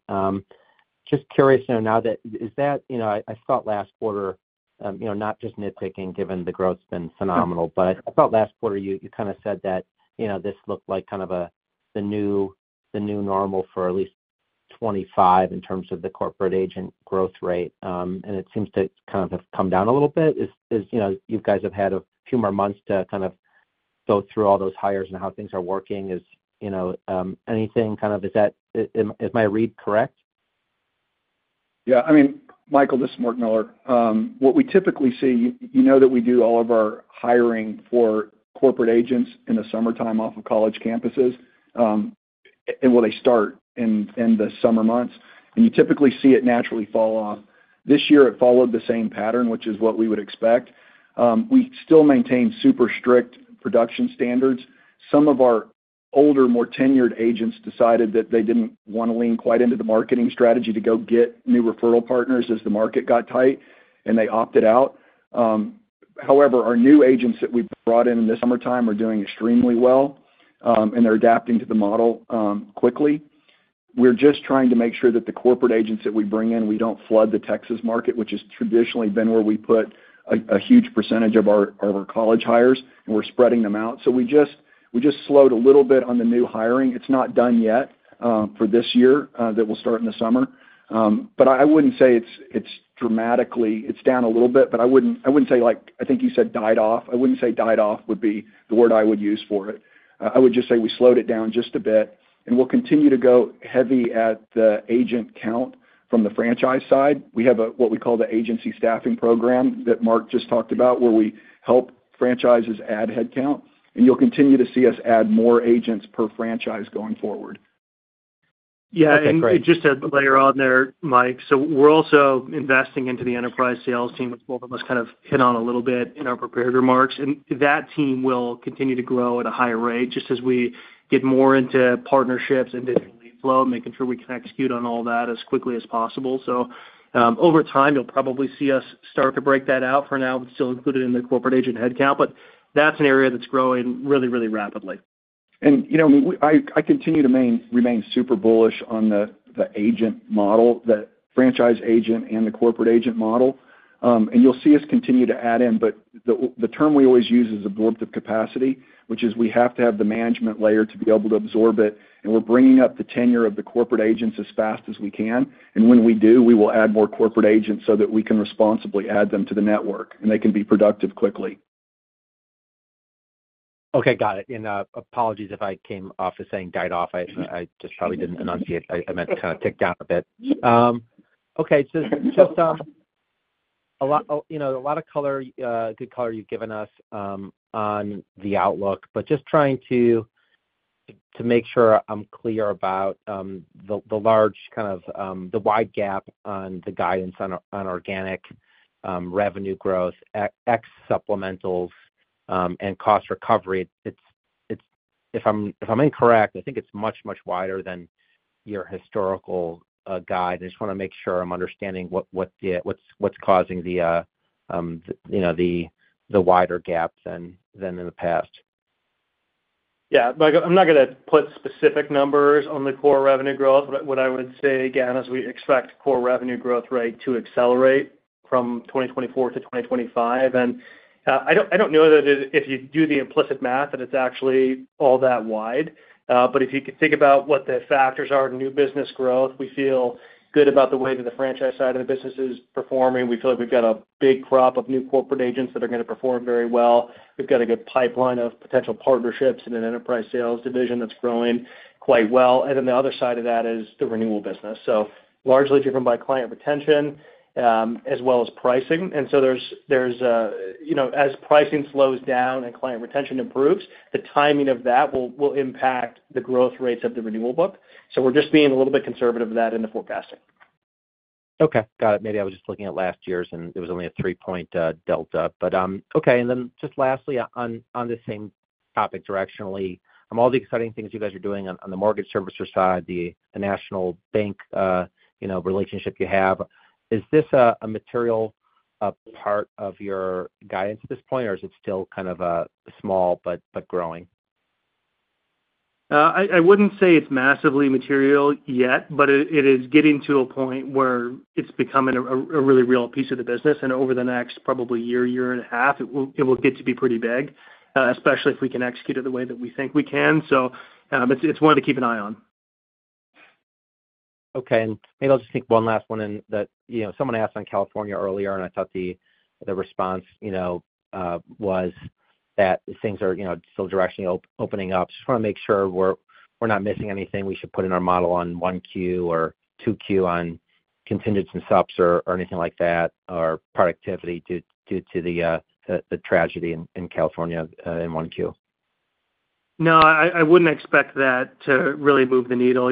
Just curious to know now that is that I thought last quarter, not just nitpicking given the growth's been phenomenal, but I thought last quarter you kind of said that this looked like kind of the new normal for at least 2025 in terms of the corporate agent growth rate. And it seems to kind of have come down a little bit. You guys have had a few more months to kind of go through all those hires and how things are working. Is anything kind of is my read correct? Yeah. I mean, Michael, this is Mark Miller. What we typically see, you know, that we do all of our hiring for corporate agents in the summertime off of college campuses, and well, they start in the summer months, and you typically see it naturally fall off. This year, it followed the same pattern, which is what we would expect. We still maintain super strict production standards. Some of our older, more tenured agents decided that they didn't want to lean quite into the marketing strategy to go get new referral partners as the market got tight, and they opted out. However, our new agents that we brought in in the summertime are doing extremely well, and they're adapting to the model quickly. We're just trying to make sure that the corporate agents that we bring in, we don't flood the Texas market, which has traditionally been where we put a huge percentage of our college hires, and we're spreading them out, so we just slowed a little bit on the new hiring. It's not done yet for this year that will start in the summer, but I wouldn't say it's dramatically down a little bit, but I wouldn't say. I think you said died off. I wouldn't say died off would be the word I would use for it. I would just say we slowed it down just a bit, and we'll continue to go heavy at the agent count from the franchise side. We have what we call the agency staffing program that Mark just talked about, where we help franchises add headcount. And you'll continue to see us add more agents per franchise going forward. Yeah. And just to layer on there, Mike, so we're also investing into the enterprise sales team, which both of us kind of hit on a little bit in our prepared remarks. And that team will continue to grow at a higher rate just as we get more into partnerships and digital lead flow, making sure we can execute on all that as quickly as possible. So over time, you'll probably see us start to break that out for now, but still included in the corporate agent headcount. But that's an area that's growing really, really rapidly. And I continue to remain super bullish on the agent model, the franchise agent and the corporate agent model. And you'll see us continue to add in. But the term we always use is absorptive capacity, which is we have to have the management layer to be able to absorb it. And we're bringing up the tenure of the corporate agents as fast as we can. And when we do, we will add more corporate agents so that we can responsibly add them to the network, and they can be productive quickly. Okay. Got it. And apologies if I came off as saying died off. I just probably didn't enunciate. I meant to kind of tick down a bit. Okay. So just a lot of color, good color you've given us on the outlook. But just trying to make sure I'm clear about the large kind of the wide gap on the guidance on organic revenue growth, X supplementals, and cost recovery. If I'm incorrect, I think it's much, much wider than your historical guide. I just want to make sure I'm understanding what's causing the wider gap than in the past. Yeah. I'm not going to put specific numbers on the core revenue growth, but what I would say, again, is we expect core revenue growth rate to accelerate from 2024 to 2025. And I don't know that if you do the implicit math, that it's actually all that wide. But if you could think about what the factors are in new business growth, we feel good about the way that the franchise side of the business is performing. We feel like we've got a big crop of new corporate agents that are going to perform very well. We've got a good pipeline of potential partnerships in an enterprise sales division that's growing quite well. And then the other side of that is the renewal business. So largely driven by client retention as well as pricing. And so as pricing slows down and client retention improves, the timing of that will impact the growth rates of the renewal book. So we're just being a little bit conservative with that in the forecasting. Okay. Got it. Maybe I was just looking at last year's, and it was only a three-point delta. But okay. And then just lastly, on the same topic directionally, of all the exciting things you guys are doing on the mortgage servicer side, the national bank relationship you have, is this a material part of your guidance at this point, or is it still kind of small but growing? I wouldn't say it's massively material yet, but it is getting to a point where it's becoming a really real piece of the business. Over the next probably year, year and a half, it will get to be pretty big, especially if we can execute it the way that we think we can. It's one to keep an eye on. Okay. Maybe I'll just think one last one in that someone asked on California earlier, and I thought the response was that things are still directionally opening up. Just want to make sure we're not missing anything we should put in our model on 1Q or 2Q on contingency and subs or anything like that or productivity due to the tragedy in California in 1Q. No, I wouldn't expect that to really move the needle.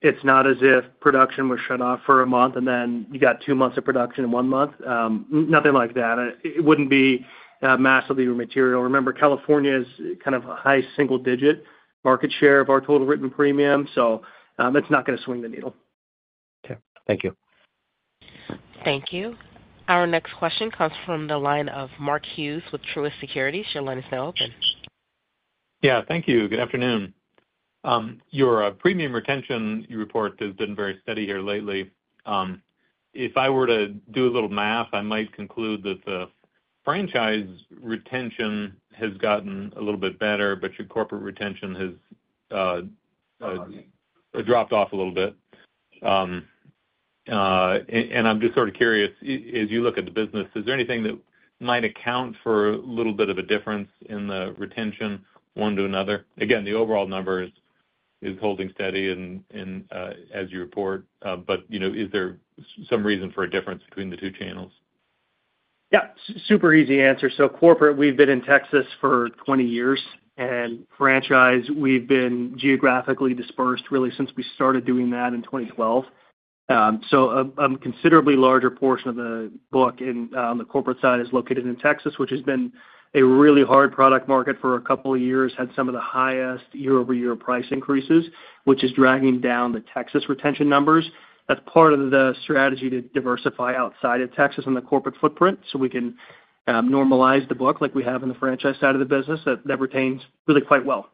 It's not as if production was shut off for a month, and then you got two months of production in one month. Nothing like that. It wouldn't be massively material. Remember, California is kind of a high single-digit market share of our total written premium. So it's not going to swing the needle. Okay. Thank you. Thank you. Our next question comes from the line of Mark Hughes with Truist Securities. Your line is now open. Yeah. Thank you. Good afternoon. Your premium retention report has been very steady here lately. If I were to do a little math, I might conclude that the franchise retention has gotten a little bit better, but your corporate retention has dropped off a little bit, and I'm just sort of curious, as you look at the business, is there anything that might account for a little bit of a difference in the retention one to another? Again, the overall number is holding steady as you report, but is there some reason for a difference between the two channels? Yeah. Super easy answer. So corporate, we've been in Texas for 20 years. And franchise, we've been geographically dispersed really since we started doing that in 2012. So a considerably larger portion of the book on the corporate side is located in Texas, which has been a really hard product market for a couple of years, had some of the highest year-over-year price increases, which is dragging down the Texas retention numbers. That's part of the strategy to diversify outside of Texas on the corporate footprint so we can normalize the book like we have on the franchise side of the business that retains really quite well.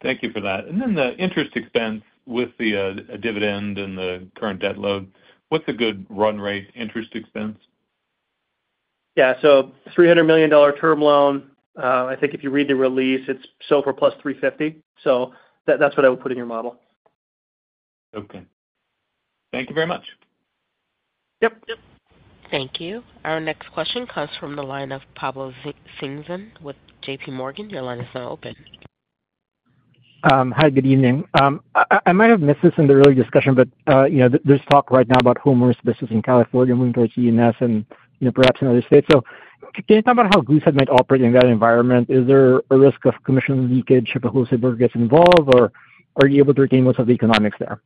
Thank you for that. And then the interest expense with the dividend and the current debt load, what's a good run rate interest expense? Yeah. So $300 million term loan, I think if you read the release, it's SOFR plus 350. So that's what I would put in your model. Okay. Thank you very much. Yep. Thank you. Our next question comes from the line of Pablo Singzon with JPMorgan. Your line is now open. Hi. Good evening. I might have missed this in the early discussion, but there's talk right now about homeowners' business in California moving towards E&S and perhaps in other states. So can you talk about how Goosehead might operate in that environment? Is there a risk of commission leakage if a wholesale broker gets involved, or are you able to retain most of the economics there?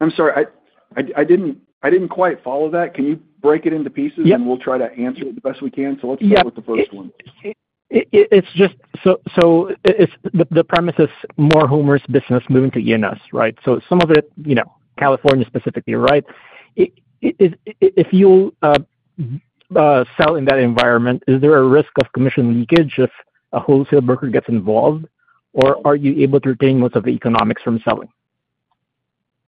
I'm sorry. I didn't quite follow that. Can you break it into pieces, and we'll try to answer it the best we can? So let's start with the first one. So the premise is more homeowners' business moving to E&S, right? So some of it you know California specifically, right? If you sell in that environment, is there a risk of commission leakage if a wholesale broker gets involved, or are you able to retain most of the economics from selling?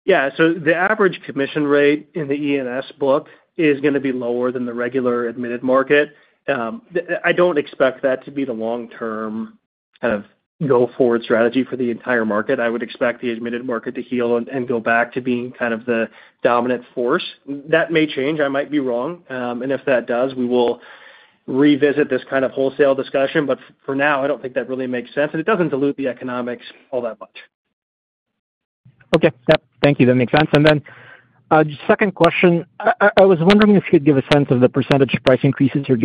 Yeah. So the average commission rate in the E&S book is going to be lower than the regular admitted market. I don't expect that to be the long-term kind of go-forward strategy for the entire market. I would expect the admitted market to heal and go back to being kind of the dominant force. That may change. I might be wrong. And if that does, we will revisit this kind of wholesale discussion. But for now, I don't think that really makes sense. And it doesn't dilute the economics all that much. Okay. Yep. Thank you. That makes sense. And then, second question, I was wondering if you could give a sense of the percentage price increases you're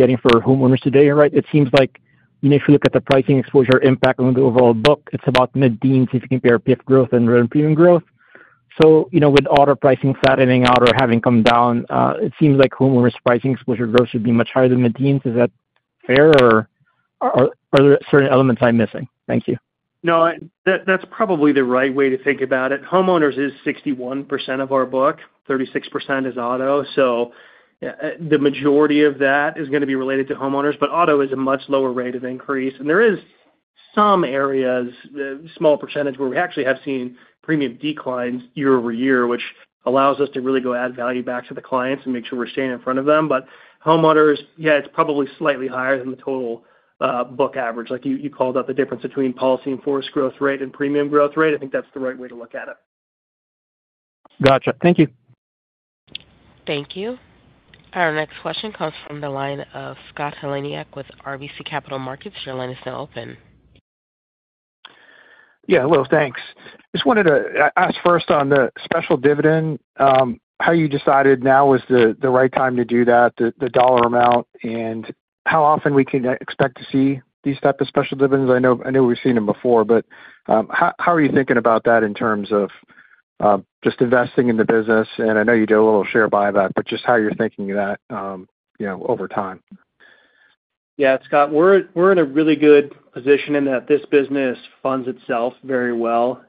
getting for homeowners today, right? It seems like if you look at the pricing exposure impact on the overall book, it's about mid-teens, if you compare PIF growth and earned premium growth. So with auto pricing flattening out or having come down, it seems like homeowners' pricing exposure growth should be much higher than mid-teens. Is that fair, or are there certain elements I'm missing? Thank you. No, that's probably the right way to think about it. Homeowners is 61% of our book. 36% is auto. So the majority of that is going to be related to homeowners. But auto is a much lower rate of increase. And there is some areas, small percentage, where we actually have seen premium declines year over year, which allows us to really go add value back to the clients and make sure we're staying in front of them. But homeowners, yeah, it's probably slightly higher than the total book average. Like you called out the difference between policy and force growth rate and premium growth rate. I think that's the right way to look at it. Gotcha. Thank you. Thank you. Our next question comes from the line of Scott Heleniak with RBC Capital Markets. Your line is now open. Yeah. Hello. Thanks. Just wanted to ask first on the special dividend, how you decided now was the right time to do that, the dollar amount, and how often we can expect to see these types of special dividends. I know we've seen them before, but how are you thinking about that in terms of just investing in the business? And I know you do a little share buyback, but just how you're thinking of that over time. Yeah. Scott, we're in a really good position in that this business funds itself very well,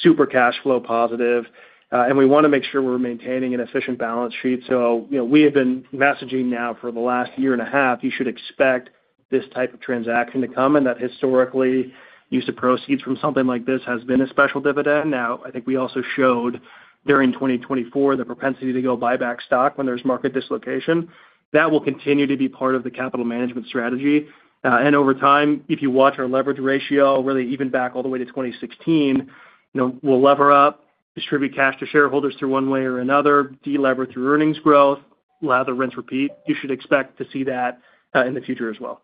super cash flow positive. And we want to make sure we're maintaining an efficient balance sheet. So we have been messaging now for the last year and a half. You should expect this type of transaction to come. And that historically, use of proceeds from something like this has been a special dividend. Now, I think we also showed during 2024 the propensity to go buy back stock when there's market dislocation. That will continue to be part of the capital management strategy. And over time, if you watch our leverage ratio, really even back all the way to 2016, we'll lever up, distribute cash to shareholders through one way or another, deleverage through earnings growth, lather, rinse, repeat. You should expect to see that in the future as well.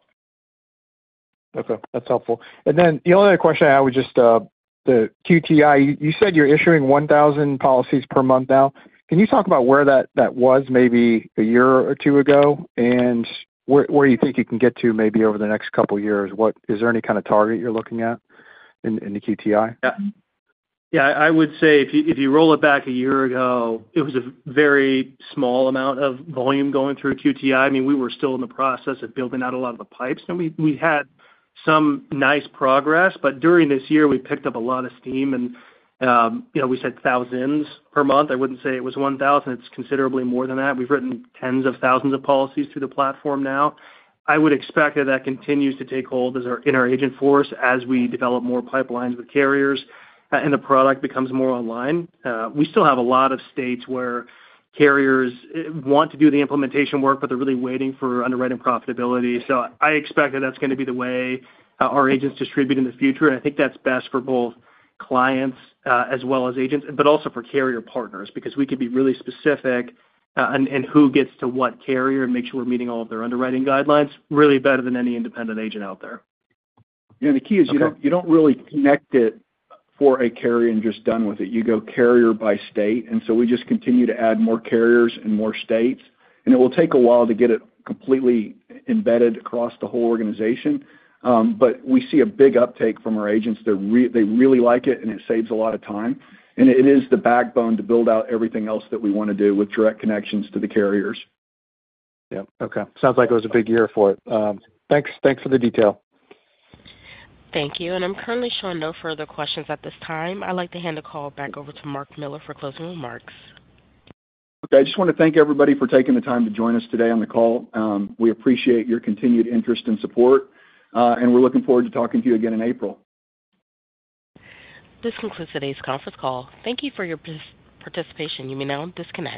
Okay. That's helpful. And then the only other question I have was just the QTI. You said you're issuing 1,000 policies per month now. Can you talk about where that was maybe a year or two ago and where you think you can get to maybe over the next couple of years? Is there any kind of target you're looking at in the QTI? Yeah. Yeah. I would say if you roll it back a year ago, it was a very small amount of volume going through QTI. I mean, we were still in the process of building out a lot of the pipes. And we had some nice progress. But during this year, we picked up a lot of steam. And we said thousands per month. I wouldn't say it was 1,000. It's considerably more than that. We've written tens of thousands of policies through the platform now. I would expect that that continues to take hold as our agent force as we develop more pipelines with carriers and the product becomes more online. We still have a lot of states where carriers want to do the implementation work, but they're really waiting for underwriting profitability. So I expect that that's going to be the way our agents distribute in the future. And I think that's best for both clients as well as agents, but also for carrier partners because we can be really specific in who gets to what carrier and make sure we're meeting all of their underwriting guidelines really better than any independent agent out there. Yeah. The key is you don't really connect it for a carrier and just done with it. You go carrier by state. And so we just continue to add more carriers and more states. And it will take a while to get it completely embedded across the whole organization. But we see a big uptake from our agents. They really like it, and it saves a lot of time. And it is the backbone to build out everything else that we want to do with direct connections to the carriers. Yep. Okay. Sounds like it was a big year for it. Thanks for the detail. Thank you, and I'm currently showing no further questions at this time. I'd like to hand the call back over to Mark Miller for closing remarks. Okay. I just want to thank everybody for taking the time to join us today on the call. We appreciate your continued interest and support, and we're looking forward to talking to you again in April. This concludes today's conference call. Thank you for your participation. You may now disconnect.